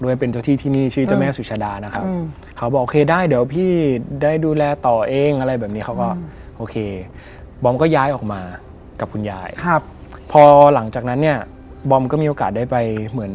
อยู่แถบบางกะปิ